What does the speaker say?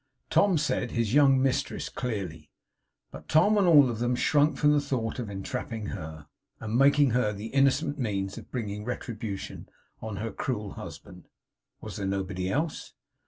Tom said his young mistress clearly. But Tom and all of them shrunk from the thought of entrapping her, and making her the innocent means of bringing retribution on her cruel husband. Was there nobody else?